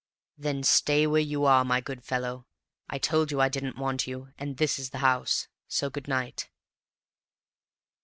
"Then stay where you are, my good fellow. I told you I didn't want you; and this is the house. So good night."